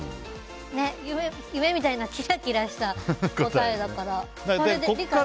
夢みたいなキラキラした答えだから。